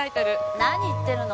何言ってるの。